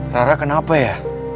rara kenapa ya